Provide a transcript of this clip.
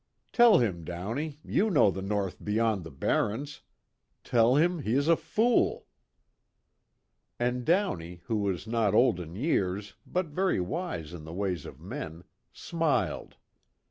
"Tell him, Downey, you know the North beyond the barrens. Tell him he is a fool!" And Downey who was not old in years but very wise in the ways of men, smiled.